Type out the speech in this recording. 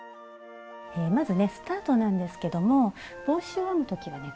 まずねスタートなんですけども帽子を編む時はね